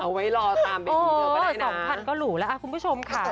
เอาไว้รอตามไปกูเท่าไรนะโอ้โหสองพันก็หลู่แล้วอ่ะคุณผู้ชมค่ะ